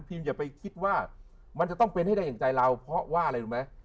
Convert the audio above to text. อย่าไปคิดว่ามันจะต้องเป็นให้ได้อย่างใจเราเพราะว่าอะไรรู้ไหม